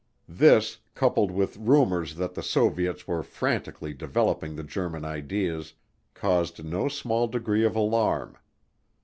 This, coupled with rumors that the Soviets were frantically developing the German ideas, caused no small degree of alarm.